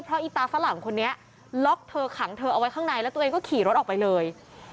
เพราะอีตาฝรั่งคนนี้ล็อกเธอขังเธอเอาไว้ข้างในแล้วตัวเองก็ขี่รถออกไปเลย